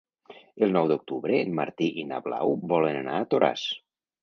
El nou d'octubre en Martí i na Blau volen anar a Toràs.